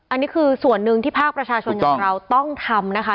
อันนี้คือส่วนหนึ่งที่ภาคประชาชนอย่างเราต้องทำนะคะ